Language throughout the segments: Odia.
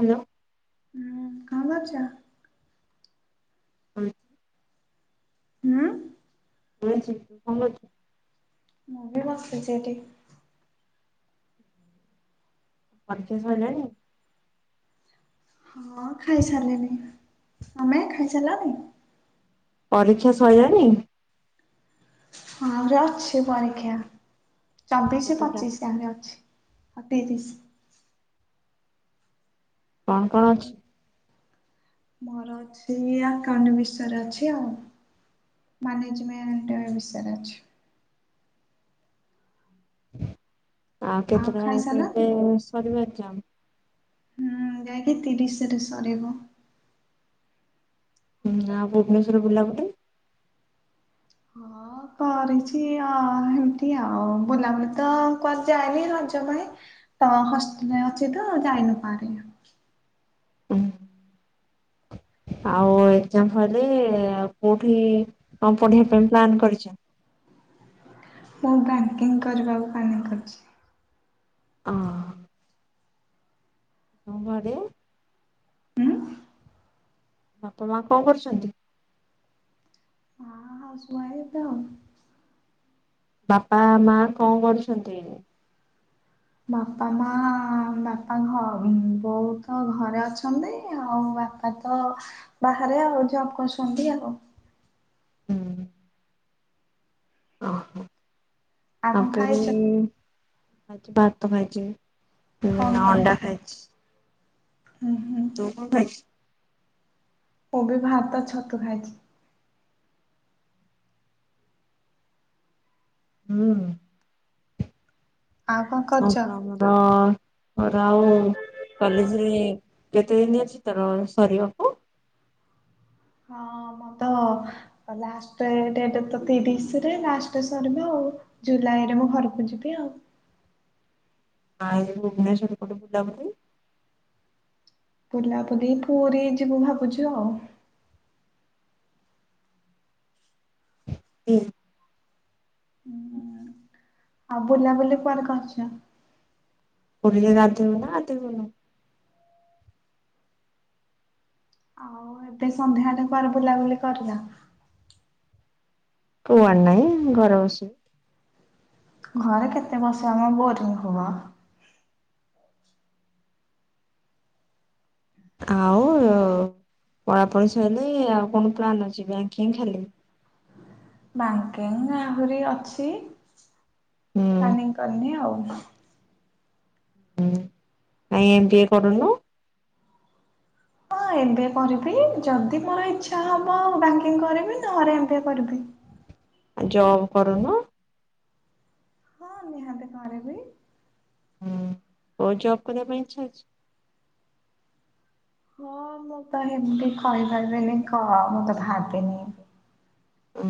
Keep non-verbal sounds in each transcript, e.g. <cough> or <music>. ହାଲୋ। ହୁଁ କଁ କରୁଚ। ଶୋଇଚି। ହୁଁ। <unintelligible> ମୁଁ ବି ବସିଚି ଏଠି। ପରୀକ୍ଷା ସଇଲାଣି। ହଁ ଖାଇସାରିଲିଣୀ ତମେ ଖାଇସାରିଲଣି। ପରୀକ୍ଷା ସଇଲାଣିି। ହଁ ଆହୁରି ଅଛି ପରୀକ୍ଷା ଚବିଶି କେତେଟା ପଚିଶି ଯାଁକେ ଅଛି। ଆଉ ତିରିଶ୍ କଣ କଣ ଆଉ ଅଛି? ମୋର ଅଛି ଆକାଉଣ୍ଟ ବିଷୟରେ ଅଛି ଆଉ ମ୍ୟାନେଜମେଣ୍ଟ ବିଷୟରେ ଅଛି। ଆଉ କେତେ ଟା କେବେ ସରିବ ଏଗ୍ଜାମ୍। ହୁଁ ଯାଇକି ତିରିଶ ରେ ସରିବ। ହୁଁ ଆଉ ଭୁବନେଶ୍ୱର ବୁଲାବୁଲି। <inaudible> କରିଚି ଅ ହେମିତି ଆଉ ବୁଲାବୁଲି ତ କୁଆଡେ ଯାଏନି ରଜ ପାଇଁ ତ ହଷ୍ଟେଲରେ ଅଛି ତ ଯାଇନୁ କୁଆଡେ ହୁଁ ଆଉ ଏଗ୍ଜାମ୍ ପରେ ଆଉ କୋଉଠି କଣ ପଢିବା ପାଇଁ ପ୍ଲାନ୍ କରିଚ। ମୁଁ ବ୍ୟାଙ୍କିଙ୍ଗ କରିବାକୁ ପ୍ଲାନିଂ କରିଚି। ଅଁ <inaudible> ହୁଁ ବାପା ମାଁ କଣ କରୁଛନ୍ତି? ହଁ ହାଉସୱାଇଫ୍ ତ ବାପା ମାଁ କଣ କରୁଚନ୍ତି? ବାପା ମାଁ ବାପା ଘ ବୋଉତ ଘରେ ଅଛନ୍ତି ଆଉ ବାପା ବାପା ତ ବାହାରେ ଆଉ ଜବ କରୁଛନ୍ତି ଆଉ ହୁଁ ଅ-ହଁ ଆଉ କଣ ପୁରୀ- ଖାଇଛ? ଇ ଆଜି ଭାତ ଖାଇଛି ଉଁ କଣ କଣ? ଅଣ୍ଡା ଖାଇଛି। ହୁଁ ହୁଁ ତୁ କଣ ଖାଇ ଚୁ ମୁଁ ବି ଭାତ ଛତୁ ଖାଇଛି। ହୁଁ ଆଉ କଣ ଆଉ କରୁଛ? ତ ଆମର ପରାଉ କଲେଜରେ କେତେ ଦିନି ଅଛି ତୋର ସରିବାକୁ। ହଁ ମୁଁ <inaudible> ତ ଲାଷ୍ଟେ ଡେଟ ତ ତିରିଶରେ ଲାଷ୍ଟ ସରିବ ଆଉ ଜୁଲାଇ ରେ ମୁଁ ଘରକୁ ଯିବି ଆଉ ଆଁ ଏ ଭୁବନେଶ୍ୱର ପଟେ ବୁଲାବୁଲି। ବୁଲାବୁଲି ପୁରୀ ଯିବୁ ଭାବୁଛୁ ଆଉ <unintelligible> ଆଉ ବୁଲାବୁଲି କୁଆଡେ କରିଚ। ପୁରୀରେ ଗାଧେଇ ବୁ ନା ଗାଧେଇବୁନୁ। ଆଉ ଏବେ ସଂନ୍ଧ୍ୟା ହେଲେ କୁଆଡେ ବୁଲାବୁଲି କରିନ। କୁଆଡେ ନାଇଁ ଘରେ ବସିବୁ ଘରେ କେତେ ବସ୍‌ ଆମ ବୋରିଙ୍ଗି ହବ। ଆଉ ପଳାପଳି ସଇଲେ ଆଉ କଣ ପ୍ଲାନ୍ ଅଛି ବ୍ୟାଙ୍କିଙ୍ଗ ଖାଲି ବ୍ୟାଙ୍କିଙ୍ଗ ଆହୁରି ଅଛି ହୁଁ ପ୍ଲାନିଂ କରିନି ଆଉ ଉଁ କାଇଁ ଏମ ବି ଏ କରୁନୁ। ହଁ ଏମ ବି ଏ କରିବି ଯଦି ମୋର ଇଚ୍ଛା ହବ ବ୍ୟାଙ୍କିଙ୍ଗ କରିବି ନହେଲେ ଏମ ବି ଏ କରିବି। ଜବ୍ କରୁନୁ। ହଁ ନିହାତି କରିବି। ହୁଁ କୋଉ ଜବ୍ କରିବା ପାଇଁ ଇଚ୍ଛା ଅଛି। ହଁ ମୁଁ ତ ହେମିତି କହିପାରିବିନି କଣ ମୁଁ ତ ଭାବିନି। ଉଁ।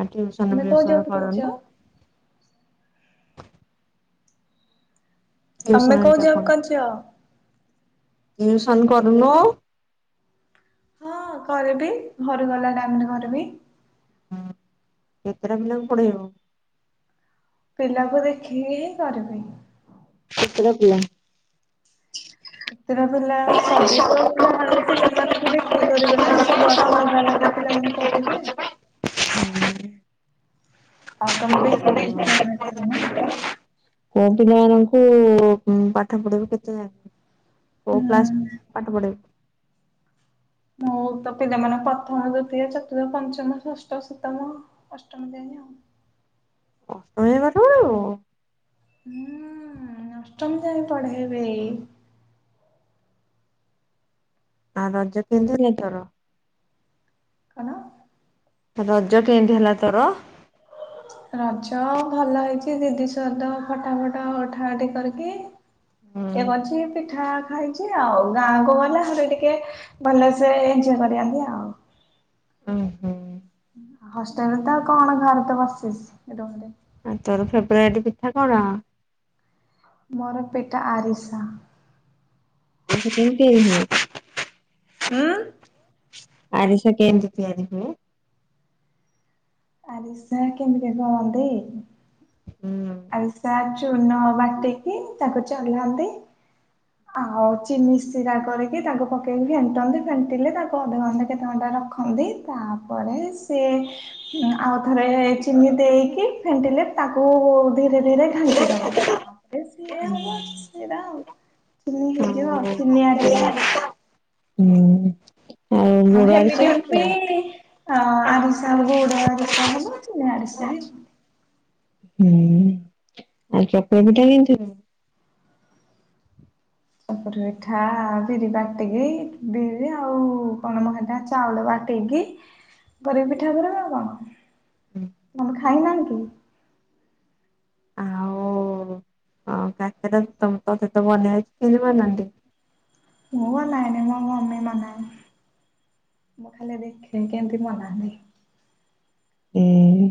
ଆ ଟ୍ୟୁସନ୍ ତମେ କୋଉ ଫ୍ୟୁସନ୍ ଜବ୍ କରିଛ? କରନୁ। ଟିଉସନ ତମେ କୋଉ ହେରିକା ଜବ୍ କରୁନୁ କରୁଚ? ଟିଉସନ କରୁନୁ। ହଁ କରିବି ଘରୁ ଗଲା ଟାଇମ ରେ କରିବି। କେତେ ଟା ପିଲାଙ୍କୁ ପଢେଇବୁ? ପିଲାଙ୍କୁ ଦେଖିକି ହିଁ କରିବି। କେତେଟା ପିଲା। କେତେଟା ପିଲା ସବୁ ତ ଗାଁରେ ପିଲାମାନଙ୍କୁ ଦେଖିକି କରିବି ନା ସବୁଆର ଅଲଗା ଅଲଗା ପିଲାମାନେ କରିୁଥିବେ। <unintelligible> ହଁ ତମେ ଦେଖିକି ପିଲାମାନଙ୍କୁ କରିବ ନା। କୋଉ ପିଲାମାନଙ୍କୁ ପାଠ ପଢେଇବ କେତେ ଯାକେ କୋଉ କ୍ଲାସ୍ ହୁଁ ପାଠ ପଢେଇବ? ମୁଁ ତତେ ଯମାନ ପ୍ରଥମ ଦ୍ଵିତୀୟ ଚତୁର୍ଥ ପଞ୍ଚମ ଷଷ୍ଠ ସତମ ଅଷ୍ଟମ ଯାଏ ଆଉ ଅଷ୍ଟମ ଯାଏ ପାଠ ପଢ଼େଇବୁ? ହୁଁ। ଅଷ୍ଟମ ଯାଏ ପଢେଇବି। ଆଉ ରଜ <inaudible> କଣ? ରଜ କେଏତି ହେଲା ତୋର? ରଜ ଭଲ ହେଇଛି ଦିଦି ସହିତ ଫଟା ଫଟା ଉଠା ଉଠି କରିକି ହୁଁ ଏବିଜି ପିଠା ଖଇଛି ଆଉ ଗାଁକୁ ଗଲେ ଆହୁରି ଟିକେ ଭଲସେ ଏଞୟ କରିବା ଆଉ। ଓଁ ହୁଁ। ହଷ୍ଟେଲରେ ତ ଆଉ କଣ ଘରେ ବସିଛି ନିରବରେ। ଆଉ ତୋର ଫେବରାଇଟ ପିଠା କଣ? ମୋର ପିଠା ଆରିସା। ଏ ଟା କେମିତି ହୁଏ? ଉଁ। ଆରିସା କେଏନ୍ତି ତିଆରି ହୁଏ? ଆରିସା କେମିତି କରନ୍ତି। ହୁଁ। ଆରିସା ଚୁନ ବାଟିକି ତାକୁ ଚଲାନ୍ତି। <unintelligible> ଆଉ ଚିନି ସିରା କରିକି ତାକୁ ପକେଇକି ଫେଣ୍ଟନ୍ତି ଫେଣ୍ଟିଲେ ତାକୁ ଅଧଘଣ୍ଟା କେତେ ଘଣ୍ଟା ରଖନ୍ତି ତାପରେ ସିଏ ଆଉ ଥରେ ଚିନି ଦେଇକି ଫେଣ୍ଟିଲେ ତାକୁ ଧୀରେ ଧୀରେ ଘାଣ୍ଟି ଦବ ତା ପରେ ସିଏ ହବ ଆଉ ଚିନି ହେଇଯିବ ଆଉ ଚିନି ଆରିସା ଆଉ, ହୁଁ ଆଉ ଗୁଡ ଆରିସା ହେମିତି କେମିତି ବି ହୁଏ? ହଁ ଆରିସା ଗୁଡ ଆରିସା ହବ ଚିନି ଆରିସା ବି ହବ। ହୁଁ ଆଉ ଚକୁଳି ପିଠା କେମିତି ହୁଏ? କୁରି ପିଠା ବିରି ବାଟିକି ବିରି ଆଉ କଣମ ହେଟା ଚାଉଳ ବାଟେଇକି ପି ପିଠା କରିବା ଆଉ କଣ? ତମେ ଖାଇନାହା କି? ତ ତୋତେ ତ ବନେଇଇଛି ଖେଳିବନାହାନ୍ତି ମୁଁ ବନାଏନି ମୋ ମମି ବନାଏ। ମୁଁ ଖାଲି ଦେଖେ କେମିତି ଵନାନ୍ତି। ଏ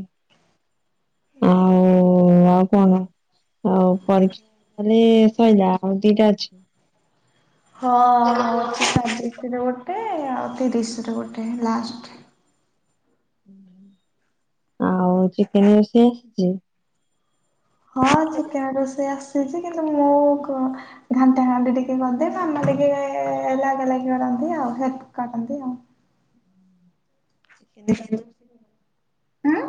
ଆଉ ଓ ଆଉ କଣ ଆଉ ପରୀକ୍ଷା ପରେ ସଇଲା ଆଉ ଦିଟା ଅଛି? ହଁ ଅଛି ଚବିଶରେ ଗୋଟେ ଆଉ ତିରିଶରେ ଗୋଟେ ଲାଷ୍ଟ। ଆଉ ଚିକେନ ରୋଷେଇ ଆସିଛି? ହଁ ଚିକେନ ରୋଷେଇ ଆସିଛି କିନ୍ତୁ ମୁଁ କଣ ଘାଣ୍ଟା ଘାଣ୍ଟି ଟିକେ କରିଦିଏ ମାମା ଟିକେ ଲାଗ ଲାଗି କରନ୍ତି ଆଉ ହେଲ୍ପ କରନ୍ତି ଆଉ। ସେ <inaudible> ହୁଁ?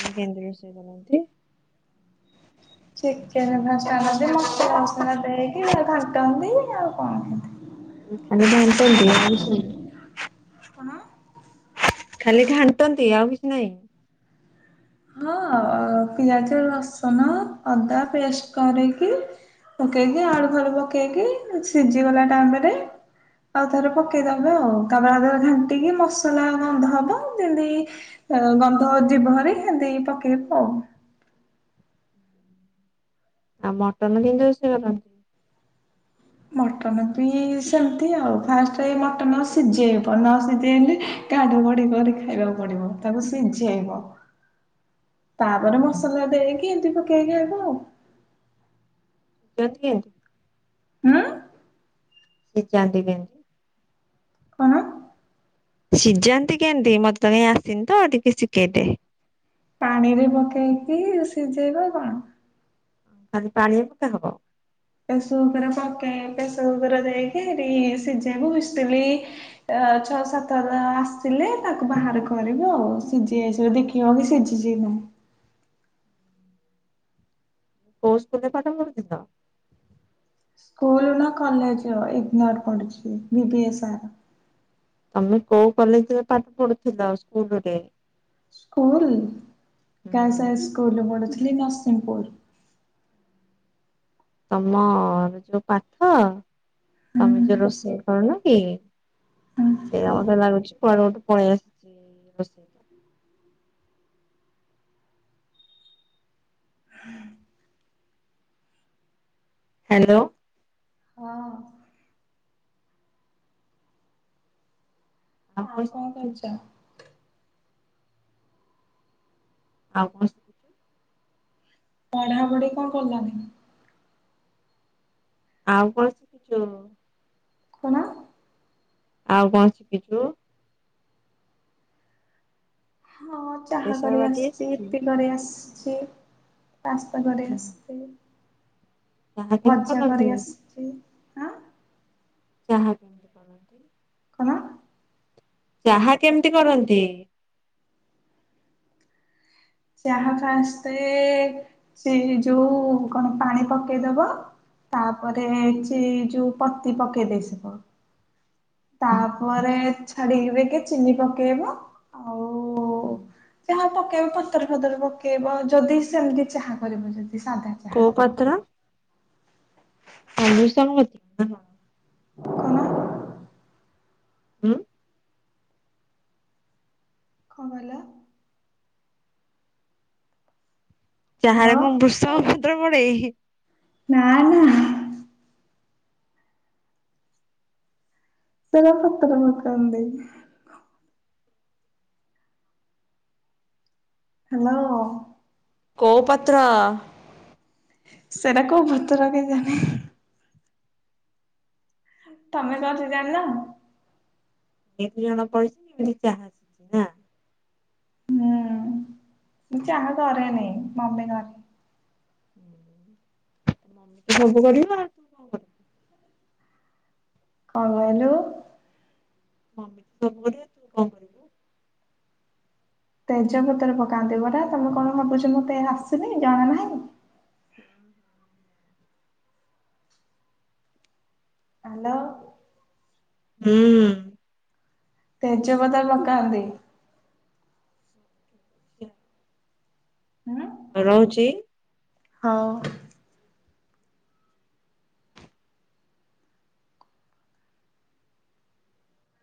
ଆଉ କିନ୍ଦି ରୋଷେଇ କରନ୍ତି? ଚିକେନ ଫାଷ୍ଟ ଆଣନ୍ତି ମସଲା ଫସଲା ଦେଇକି ତା ପରେ ଘାଟନ୍ତି ଆଉ କଣ? ଖାଲି ଘାଣ୍ଟନ୍ତି ଆଉ କିଛି ନୁହଁ? କଣ? ଖାଲି ଘାଣ୍ଟନ୍ତି ଆଉ କିଛି ନାହିଁ। ହଁ <inaudible> ଆ ପିଆଜ ରସୁନ ଅଦା ପେଷ୍ଟ କରିକି ପକେଇକି ଆଳୁ ଫାଳୁ ପକେଇକି ସିଝିଗଲା ଟାଇମରେ ଆଉ ଥରେ ପକେଇଦବ ଆଉ ତା ପରେ ଆଉ ଥରେ ଘାଣ୍ଟିକି ମସଲା ଗନ୍ଧ ହବ ଯେମିତି ଗନ୍ଧ ଯିବହେରି ହେନ୍ତି ପକେଇବୁ ଆଉ। ଆଉ ମଟନ କିନ୍ଦୀ ରୋଷେଇ କରନ୍ତି? ମଟନ ବି ସେମିତି ଆଉ ଫାଷ୍ଟ ମଟନ ଆ ସିଝେଇବ ନ ସିଝେଇଲେ କାଡୁ ବଢ଼ି କରି ଖାଇବାକୁ ପଡ଼ିବ ତାକୁ ସିଝେଇବ ହ <inaudible> ତାପରେ ମସଲା ଦେଇକି ଏମିତି ପକେଇକି ଖାଇବ ଆଉ <inaudible> ହୁଁ <inaudible> କେମିତି? କଣ? ସିଝାନ୍ତି କେମିତି ମତେ ତ କାଇ ଆସିନିତ ଟିକେ ଶିଖେଇଦେବେ। ପାଣିରେ ପକେଇକି ସିଝେଇବ କଣ? ଖାଲି ପାଣିରେ ପକା ହବ? ପ୍ରସ କୁକୁର ପକେଇ ପ୍ରେସ କୁକୁର ଯାଇକି ହେ ସିଝେଇକୁ ବୁସିଥିଲି। ଛଅ ସାତ ଆସିଲେ ତାକୁ ବାହାର କରିବୁ ଆଉ ସିଝି ଆଇସିବ ଦେଖି କେଉଁଠି ଶିଝିଛି କି ନାହିଁ? କଉ ସ୍କୁଲରେ ପାଠ ପଢୁଥିଲ? ସ୍କୁଲ ନା କଲେଜ ଇଗ୍ନୋର୍ ପଢ଼ୁଛି ବିିବି ଏସ୍ ଆର୍। ତମେ କୋଉ କଲେଜରେ ପାଠ ପଢୁଥିଲ ସ୍କୁଲ ରେ? ସ୍କୁଲ ହୁଁ ଗାସ୍ଲା ହାଇସ୍କୁଲରେ ପଢ଼ୁଥିଲି ନରସିଂହପୁର। ତମ ର ଯୋଉ ପାଠ ହୁଁ। ତମେ ଯୋଉ ରୋଷେଇ କରୁନ କି? ସେଇଟା ମତେ ଲାଗୁଛି କୁଆଡେ ଗୋଟେ ପଳେଇ ଆସିଛି ରୋଷେଇ ହ୍ୟାଲୋ ହଁ ଆଉ କଣ କରୁଛ? ଆଉ କଣ ଶିଖିଛୁ ପଢା ପଢି କଣ କଲଣି? ଆଉ କଣ ଶିଖିଛୁ? କଣ? ଆଉ କଣ ଶିଖିଛୁ? ହଁ ଚାହା ବେସର କରି ବାଟି ଆସିୁଛି ଆସିଛି ଇପି କରି ଆସିଛି। ପାସ୍ତା କରି ଆସିଛି। ଚାହା କେମିତି ଭଜା କରନ୍ତି? କରି ଆସିଛି। ଆଁ ଚାହା କେମିତି କରନ୍ତି କଣ? ଚାହା କେମିତି କରନ୍ତି? ଚାହା ଫାଷ୍ଟ ରେ ସେଇ ଯୋଉ କଣ ପାଣି ପକେଇଦବ। ତାପରେ ଯୋଉ ପତି ପକେଇ ଦେଇଥିବ। ତାପରେ ଛାଡିକି ବି ଟିକେ ଚିନି ପକେଇବ। ଆଉ ହୁଁ ଚାହା ପକେଇବ ପତର ଫତର ପକେଇବ ଯଦି ସେମିତି ଚାହା କରିବ ଯଦି ସାଧା। ଚାହା କୋଉ ପତ୍ର? କଁ ଭୁର୍ସଙ୍ଗ ପତ୍ର କଣ ହୁଁ। କଣ କହିଲ? ଚାହା ରେ କଣ ଭୃଷଙ୍ଗ ପତ୍ର ପଡ଼େ? ନା। ନା ପତର ପତ ମଖ ଦେଇ <unintelligible> ହ୍ୟାଲୋ। କୋଉ ପତ୍ର? ସେଇଟା କୋଉ ପତ୍ର କେ ଜାଣି? ତମେ କେମିତି ଜାଣିଲ? ଏ ଦି ଜଣକରିଛନ୍ତି ଚାହା। ଆସିଛି ନା। ହୁଁ ମୁଁ ଚାହା କରେନି ମମି କରେ। ସବୁ କରିବା ଆଉ। କଣ କରିବୁ କଣ କହିଲୁ? ମମି ତ ସବୁ କରିବ ତୁ କଣ କରିବୁ? ତେଜପତ୍ର ପକାନ୍ତି ପରା ତମେ କଣ ଭାବୁଛ ମୋତେ ଆସୁନି ଜଣା ନାହିଁ। ହ୍ୟାଲୋ। ହୁଁ। ତେଜ ପତ୍ର ପକାନ୍ତି। <unintelligible> ହୁଁ। ରହୁଛି। ହଁ।